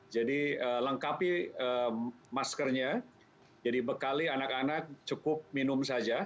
jadi lengkapi maskernya jadi bekali anak anak cukup minum saja